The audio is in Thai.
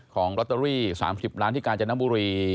ของลอตเตอรี่๓๐ล้านที่กาญจนบุรี